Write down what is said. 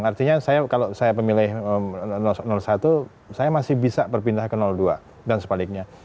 artinya kalau saya pemilih satu saya masih bisa berpindah ke dua dan sebaliknya